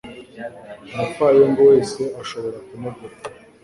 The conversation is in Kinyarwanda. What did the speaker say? Umupfayongo wese ashobora kunegura